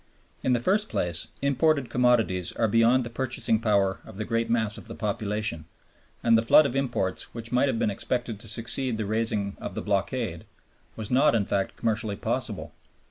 In the first place, imported commodities are beyond the purchasing power of the great mass of the population, and the flood of imports which might have been expected to succeed the raising of the blockade was not in fact commercially possible.